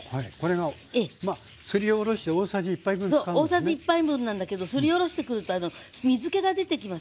大さじ１杯分なんだけどすりおろしてくると水けが出てきますよね。